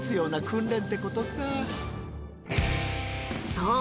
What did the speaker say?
そう。